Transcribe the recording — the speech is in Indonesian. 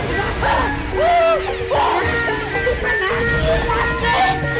jangan lupa kami bakar rumah kamu